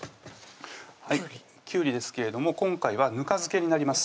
きゅうりきゅうりですけれども今回はぬか漬けになります